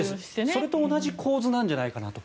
それと同じ構図なんじゃないかと。